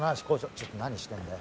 ちょっと何してんだよ？